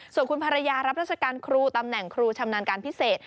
ส่วนคุณภรรยารับราชการครูตำแหน่งครูชำนาญการพิเศษ